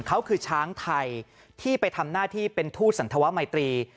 เขาคือช้างไทยที่ไปทำหน้าที่เป็นทูตสันธวมัยตรี